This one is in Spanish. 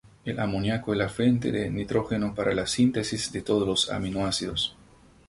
El amoniaco es la fuente de nitrógeno para la síntesis de todos los aminoácidos.